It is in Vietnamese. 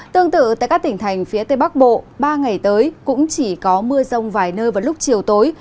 tương tự tại các tỉnh thành phía tây bắc bộ ba ngày tới cũng chỉ có mưa rông vài nơi vào lúc chiều tối